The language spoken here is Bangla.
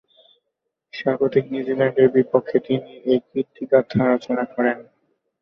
স্বাগতিক নিউজিল্যান্ডের বিপক্ষে তিনি এ কীর্তিগাঁথা রচনা করেন।